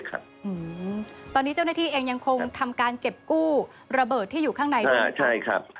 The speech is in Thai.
ตอนนี้เจ้าหน้าที่เองยังคงทำการเก็บกู้ระเบิดที่อยู่ข้างในด้วย